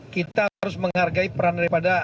kita harus menghargai peran daripada